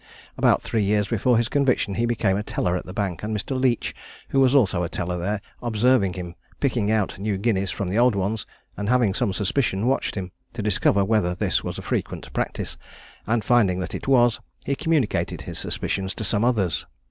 About three years before his conviction he became a teller at the Bank, and Mr. Leach, who was also a teller there, observing him picking out new guineas from the old ones, and having some suspicion, watched him, to discover whether this was a frequent practice; and finding that it was, he communicated his suspicions to some others.